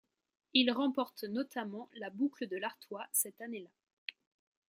Il remporte notamment la Boucle de l’Artois cette année-là.